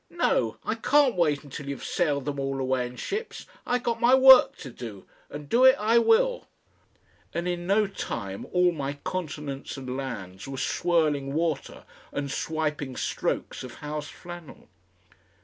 No! I can't wait until you've sailed them all away in ships. I got my work to do, and do it I will." And in no time all my continents and lands were swirling water and swiping strokes of house flannel.